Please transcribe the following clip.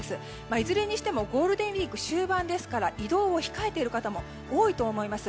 いずれにしてもゴールデンウィーク終盤ですから移動を控えている方も多いと思います。